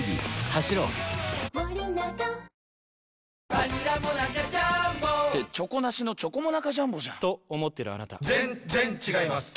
バニラモナカジャーンボって「チョコなしのチョコモナカジャンボ」じゃんと思ってるあなた．．．ぜんっぜんっ違います